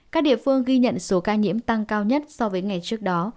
các địa phương ghi nhận số ca nhiễm tăng cao nhất so với ngày trước đó